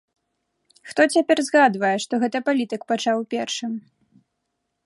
Хто цяпер згадвае, што гэта палітык пачаў першым?